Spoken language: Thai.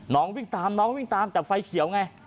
วิ่งตามน้องก็วิ่งตามแต่ไฟเขียวไง